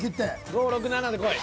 ５６７でこい。